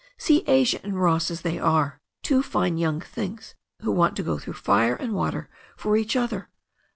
See Asia and Ross as they are — ^two fine young things who want to go through fire and water for each other.